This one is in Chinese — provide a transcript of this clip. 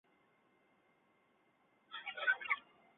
绘画师事狩野派的山本素轩。